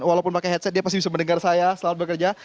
walaupun pakai headset dia pasti bisa mendengar saya selamat bekerja